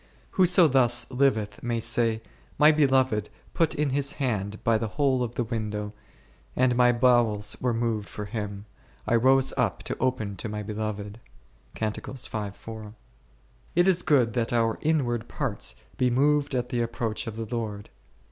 Whoso thus liveth may say, My Beloved put in His hand by the hole of the window, and my bowels were moved for Him :/ rose up to open to my Beloved 1 . It is good that our inward parts be moved at the ap proach of the Lord.